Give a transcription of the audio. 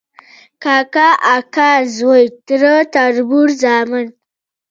کاکا، اکا زوی ، تره، تربور، زامن ،